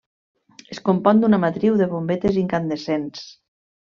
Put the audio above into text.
Es compon d'una matriu de bombetes incandescents.